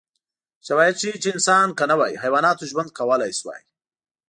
شواهد ښيي چې انسان که نه وای، حیواناتو ژوند کولای شوی.